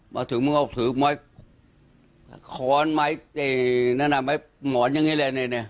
มาถึงมันก็ถือไม้ขอนไม้นั่นน่ะไม้หมอนอย่างงี้แหละ